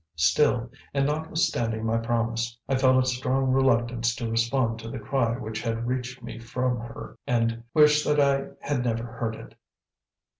Still, and notwithstanding my promise, I felt a strong reluctance to respond to the cry which had reached me from her, and wished that I had never heard it.